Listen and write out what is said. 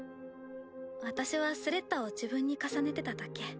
私はスレッタを自分に重ねてただけ。